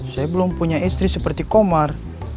saya belum punya istri seperti komar